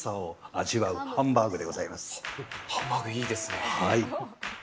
ハンバーグいいですね！